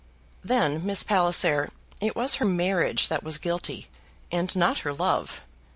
"Then, Miss Palliser, it was her marriage that was guilty, and not her love.